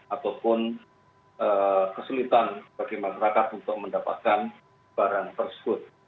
ataupun kesulitan bagi masyarakat untuk mendapatkan barang tersebut